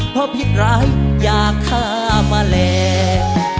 เพราะผิดร้ายอย่าข้ามันเลย